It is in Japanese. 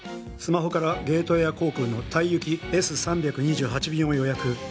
スマホからゲートエア航空のタイ行きＳ３２８便を予約